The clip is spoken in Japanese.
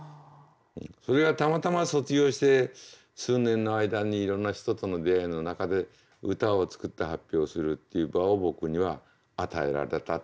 それがたまたま卒業して数年の間にいろんな人との出会いの中で歌を作って発表するっていう場を僕には与えられたと。